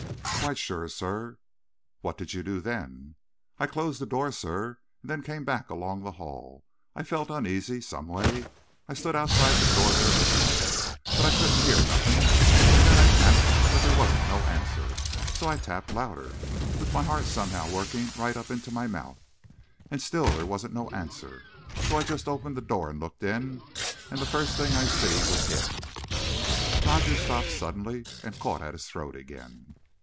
"Quite sure, sir." "What did you do then?" "I closed the door, sir, and then come back along the hall. I felt uneasy, some way; and I stood outside the door there listening; but I couldn't hear nothing; and then I tapped, but there wasn't no answer; so I tapped louder, with my heart somehow working right up into my mouth. And still there wasn't no answer, so I just opened the door and looked in and the first thing I see was him " Rogers stopped suddenly, and caught at his throat again.